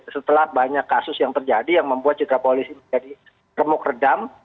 setelah banyak kasus yang terjadi yang membuat jika polisi menjadi remuk redam